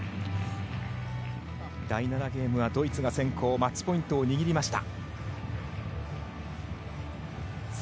第７ゲームはドイツが先行マッチポイントを握りました。